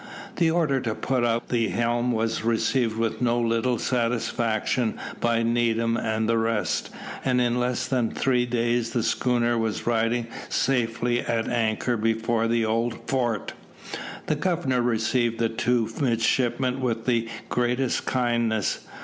The order to put up the helm was received with no little satisfaction by Needham and the rest, and in less than three days the schooner was riding safely at anchor before the old fort. The Governor received the two midshipmen with the greatest kindness.